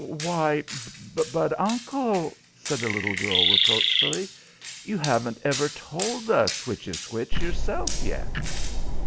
"Why, but, uncle," said the little girl, reproachfully, "you haven't ever told us which is which yourself yet!"